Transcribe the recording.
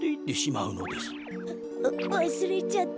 ううわすれちゃった。